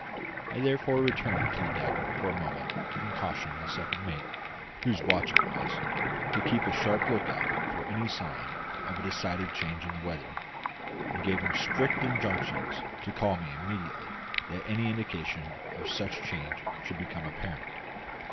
I therefore returned to the deck for a moment and cautioned the second mate whose watch it was to keep a sharp lookout for any sign of a decided change in the weather; and gave him strict injunctions to call me immediately that any indication of such change should become apparent.